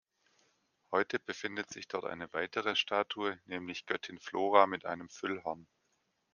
Heute befindet sich dort eine weitere Statue, nämlich Göttin Flora mit einem Füllhorn.